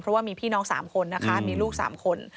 เพราะว่ามีพี่น้องสามคนมีลูกสามคน